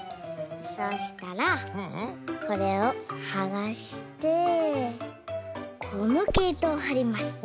そしたらこれをはがしてこのけいとをはります。